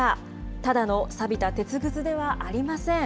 ただのさびた鉄くずではありません。